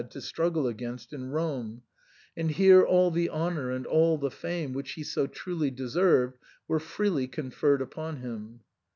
to struggle against in Rome, and here all the honour and all the fame which he so truly deserved were freely conferred upon him.